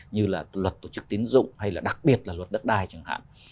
như là luật tổ chức tín dụng hay là đặc biệt là luật đất đai chẳng hạn